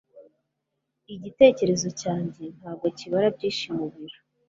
Igitekerezo cyanjye ntabwo kibara byinshi mubiro.